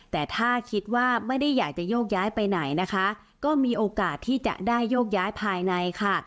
แต่ถ้าคิดว่าไม่ได้อยากจะโยกย้ายไปไหนนะคะก็มีโอกาสที่จะได้โยกย้ายภายในค่ะ